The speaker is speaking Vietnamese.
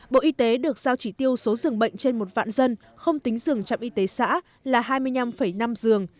bộ y tế được giao chỉ tiêu số rừng bệnh trên một vạn dân không tính rừng trạm y tế xã là hai mươi năm năm rừng